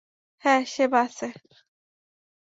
হ্যাঁ সে বাসে।